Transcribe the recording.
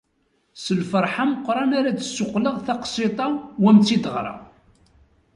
S lferḥ ameqqran ara d-ssuqleɣ taqsiṭ-a u ad m-tt-id-ɣreɣ.